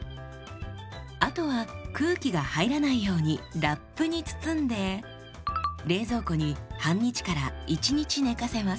あとは空気が入らないようにラップに包んで冷蔵庫に半日１日寝かせます。